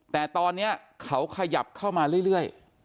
แต่ตอนนี้เขาขยับเข้ามาเรื่อย